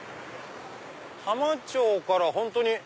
浜町から本当に。